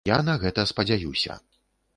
Я на гэта спадзяюся.